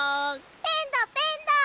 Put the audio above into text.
ペンだペンだ！